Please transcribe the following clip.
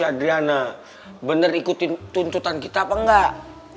adriana bener ikutin tuntutan kita apa enggak